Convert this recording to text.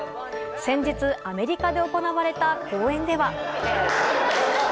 先日、アメリカで行われた公演では。